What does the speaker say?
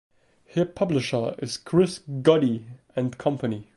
Her publisher is Chris Goode and Company.